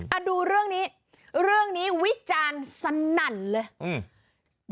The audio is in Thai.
อ่ะดูเรื่องนี้เรื่องนี้วิจารณ์สนั่นเลยอืม